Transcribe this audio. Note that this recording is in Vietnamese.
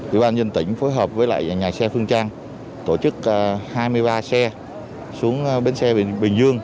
ủy ban nhân tỉnh phối hợp với lại nhà xe phương trang tổ chức hai mươi ba xe xuống bến xe vịnh bình dương